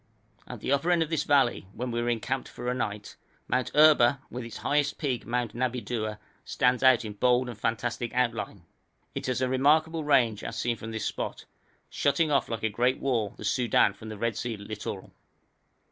At the upper end of this valley, where we encamped for a night, Mount Erba, with its highest peak, Mount Nabidua, stands out in bold and fantastic outline. It is a remarkable range as seen from this spot, shutting off like a great wall the Soudan from the Red Sea littoral.